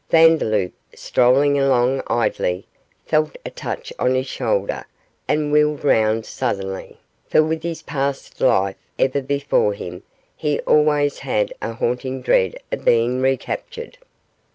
Vandeloup, strolling along idly, felt a touch on his shoulder and wheeled round suddenly, for with his past life ever before him he always had a haunting dread of being recaptured.